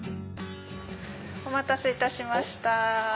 お待たせいたしました。